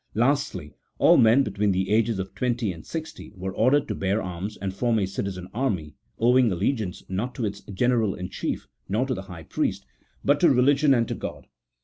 Lastly, all men between the ages of twenty and sixty were ordered to bear arms, and form a citizen army, owing allegiance, not to its general in chief, nor to the high priest, but to Religion and to God.